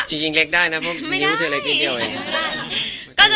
จริงเล็กได้นะเพราะนิ้วเธอเล็กนิดเดียวเอง